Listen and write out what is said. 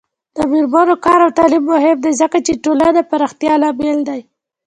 د میرمنو کار او تعلیم مهم دی ځکه چې ټولنې پراختیا لامل دی.